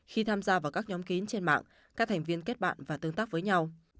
khi tham gia vào các nhóm kín trên mạng các thành viên kết bạn và tương tác với nhau